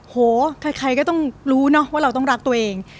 โหใครก็ต้องรู้เนอะว่าเราต้องรักตัวเอง